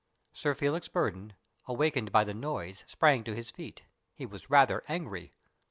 Sir Felix Burdon, awakened by the noise, sprang to his feet. He was rather angry.